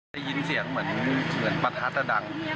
ได้ยินเสียงเหมือนประทัดดัง